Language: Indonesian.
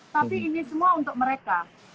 tapi ini semua untuk mereka